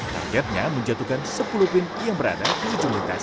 targetnya menjatuhkan sepuluh pin yang berada di ujung lintasan